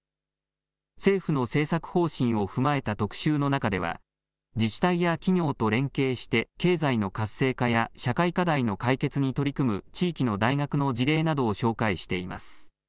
政府の政策方針を踏まえた特集の中では自治体や企業と連携して経済の活性化や社会課題の解決に取り組む地域の大学の事例などを紹介しています。